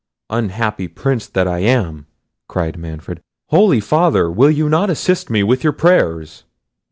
"Unhappy Prince that I am," cried Manfred. "Holy Father! will you not assist me with your prayers?"